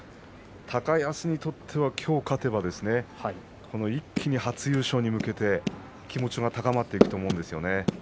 高安にとっては今日勝てば一気に初優勝に向けて気持ちが高まっていくと思いますよ。